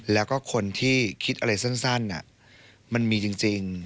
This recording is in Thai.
แล้วก็คนที่คิดอะไรสั้นมันมีจริง